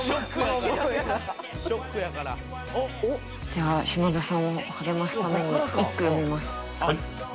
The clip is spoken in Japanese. じゃあ、嶋田さんを励ますために一句詠みます。